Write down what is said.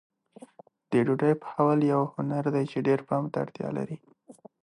د ډوډۍ پخول یو هنر دی چې ډېر پام ته اړتیا لري.